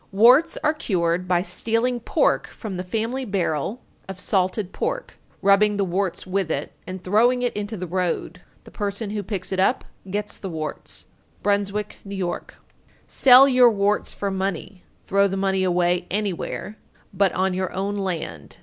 Warts are cured by stealing pork from the family barrel of salted pork, rubbing the warts with it, and throwing it into the road. The person who picks it up gets the warts. Bruynswick, N.Y. 902. Sell your warts for money, throw the money away anywhere, but on your own land.